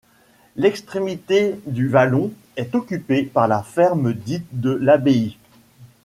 L'extrémité du vallon est occupé par la ferme dite de l'Abbaye.